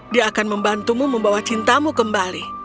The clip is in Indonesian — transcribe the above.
dia akan membantumu membawa cintamu kembali